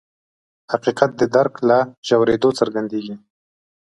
حقیقت د درک له ژورېدو څرګندېږي.